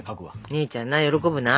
姉ちゃんな喜ぶな。